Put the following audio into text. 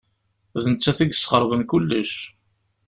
D nettat i yesxeṛben kullec.